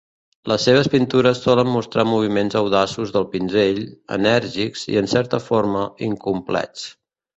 Les seves pintures solen mostrar moviments audaços del pinzell, enèrgics i, en certa forma, incomplets.